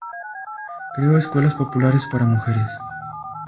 Creó escuelas populares para mujeres.